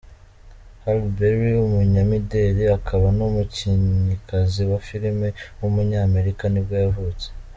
Halle Berry, umunyamideli akaba n’umukinnyikazi wa film w’umunyamerika nibwo yavutse.